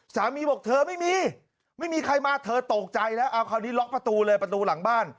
สามีบอกเธอไม่มีไม่มีใครมาเธอตกใจแล้วเอาคราวนี้ล็อกประตูเลยประตูหลังบ้าน